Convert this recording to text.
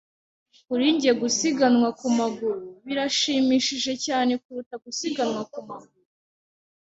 Kuri njye gusiganwa ku maguru birashimishije cyane kuruta gusiganwa ku maguru. (papabear)